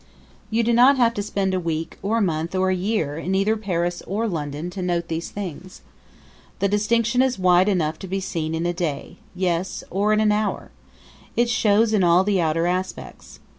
You do not have to spend a week or a month or a year in either Paris or London to note these things. The distinction is wide enough to be seen in a day; yes, or in an hour. It shows in all the outer aspects.